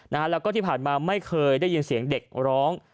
แล้วก็ที่ผ่านมาไม่เคยได้ยินเสียงเด็กร้อง